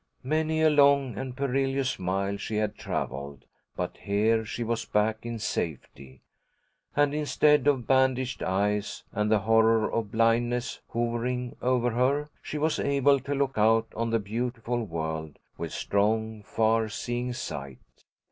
Many a long and perilous mile she had travelled, but here she was back in safety, and instead of bandaged eyes and the horror of blindness hovering over her, she was able to look out on the beautiful world with strong, far seeing sight.